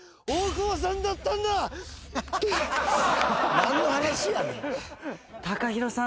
何の話やねん。